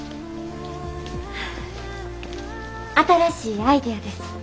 新しいアイデアです。